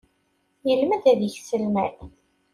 Yelmed ad yeks lmal.